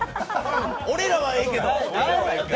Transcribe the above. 俺らはええけど！